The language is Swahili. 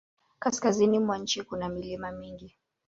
Kaskazini mwa nchi kuna milima mingi.